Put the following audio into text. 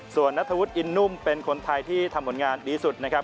ส่วนนัทธวุฒิอินนุ่มเป็นคนไทยที่ทำผลงานดีสุดนะครับ